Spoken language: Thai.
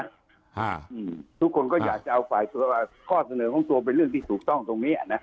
ทุกคนก็อยากจะเอาฝ่ายตัวว่าข้อเสนอของตัวเป็นเรื่องที่ถูกต้องตรงเนี้ยนะ